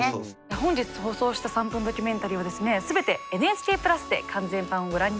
本日放送した「３分ドキュメンタリー」は全て「ＮＨＫプラス」で完全版をご覧になれます。